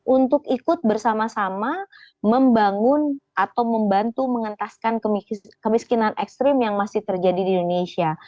untuk ikut bersama sama membangun atau membantu mengentaskan kemiskinan ekstrim yang masih terjadi di indonesia